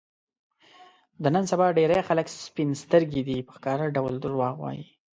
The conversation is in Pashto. د نن سبا ډېری خلک سپین سترګي دي، په ښکاره ډول دروغ وايي.